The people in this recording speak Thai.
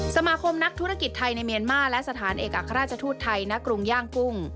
สมาคมนักธุรกิจไทยในเมียนมาร์และสถานเอกอัครราชทูตไทยณกรุงย่างกุ้ง